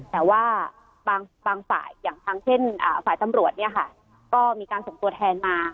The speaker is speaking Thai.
แต่ว่าบางฝ่ายอย่างทางเช่นฝ่ายตำรวจเนี่ยค่ะก็มีการส่งตัวแทนมา